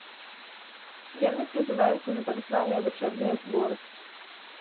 Яны прызываюцца на так званыя вучэбныя зборы.